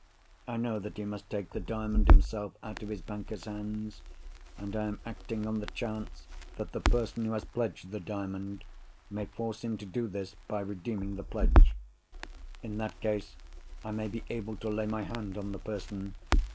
I know that he must take the Diamond himself out of his bankers' hands—and I am acting on the chance that the person who has pledged the Diamond may force him to do this by redeeming the pledge. In that case I may be able to lay my hand on the person.